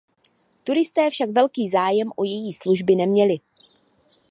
Turisté však velký zájem o její služby neměli.